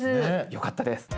よかったです。